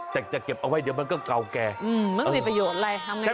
แต่จะเก็บเอาไว้เดี๋ยวมันก็เก่าแก่มันก็มีประโยชน์อะไรคะ